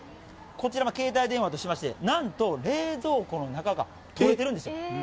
こちらの携帯電話としまして、なんと冷蔵庫の中が撮れてるんですよ。